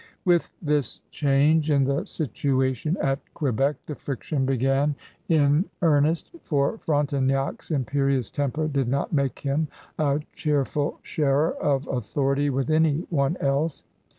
With this change in the situation at Quebec the friction b^an in , V, ^^ THE mON GOVEKNTOR 89 eamestt for Frontenac's imperious temper did not make him a cheerful sharer of authority with any one else.